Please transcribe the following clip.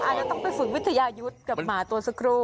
อาจจะต้องไปฝึกวิทยายุทธ์กับหมาตัวสักครู่